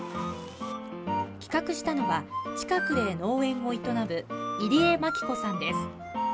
企画したのは近くで農園を営む入江槙子さんです。